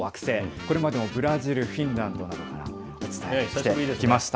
これまでもブラジル、フィンランドなどからお伝えしてきました。